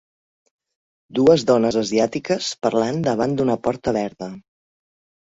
dues dones asiàtiques parlant davant d'una porta verda